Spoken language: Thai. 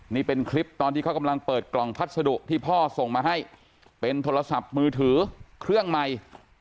นี่เป็นคลิปตอนที่เขากำลังเปิดกล่องพัสดุที่พ่อส่งมาให้เป็นโทรศัพท์มือถือเครื่องใหม่